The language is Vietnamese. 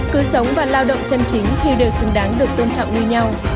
cứ sống và lao động chân chính thì đều xứng đáng được tôn trọng như nhau